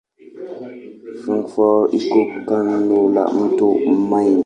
Frankfurt iko kando la mto Main.